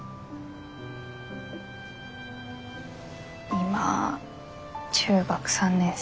今中学３年生？